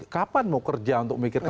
kapan mau kerja untuk memikirkan